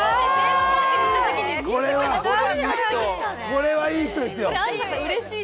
これはいい人ですよ。